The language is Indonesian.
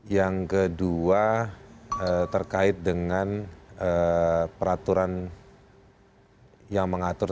yang ketiga terkait dengan peraturan yang diperlukan